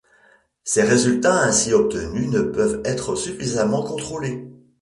Ces résultats ainsi obtenus ne peuvent être suffisamment contrôlés.